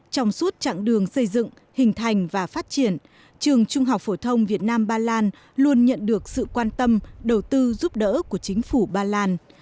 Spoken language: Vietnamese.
trong suốt chặng đường xây dựng hình thành và phát triển trường trung học phổ thông việt nam ba lan luôn nhận được sự quan tâm đầu tư giúp đỡ của chính phủ ba lan